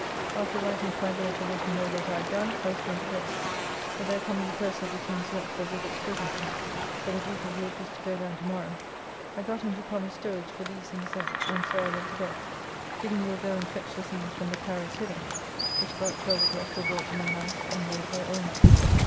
After writing to my Lord to let him know what I had done I was going to bed, but there coming the purser of the King's yacht for victualls presently, for the Duke of York is to go down to morrow, I got him to promise stowage for these things there, and so I went to bed, bidding Will go and fetch the things from the carrier's hither, which about 12 o'clock were brought to my house and laid there all night.